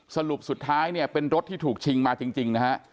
สรุปสุดท้ายเนี่ยเป็นรถที่ถูกชิงมาจริงนะฮะ